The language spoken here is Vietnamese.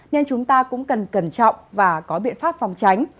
nên chúng ta cũng cần cẩn trọng và có biện pháp phòng tránh